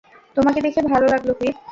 তোমাকে দেখে ভালো লাগলো, হুইপ।